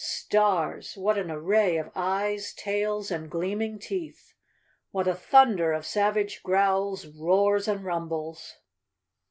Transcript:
Stars! What an array of eyes, tails and gleam¬ ing teeth! What a thunder of savage growls, roars and rumbles!